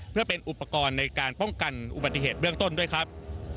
เพื่อเป็นอุปกรณ์ในการป้องกันอุบัติเหตุเบื้องต้นด้วยครับ